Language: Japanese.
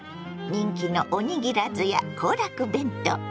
人気のおにぎらずや行楽弁当！